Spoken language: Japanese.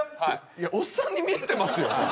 いやおっさんに見えてますよ